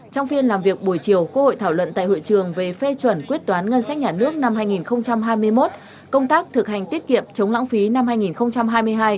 trong phiên làm việc buổi chiều quốc hội thảo luận tại hội trường về phê chuẩn quyết toán ngân sách nhà nước năm hai nghìn hai mươi một công tác thực hành tiết kiệm chống lãng phí năm hai nghìn hai mươi hai